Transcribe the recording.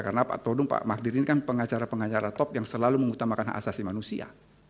karena pak todung pak mahdir ini kan pengacara pengacara top yang selalu mengutamakan hak asasi manusia